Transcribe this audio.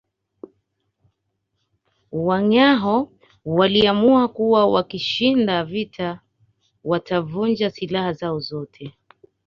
Wangâhoo waliamua kuwa wakishinda vita watavunja silaha zao zote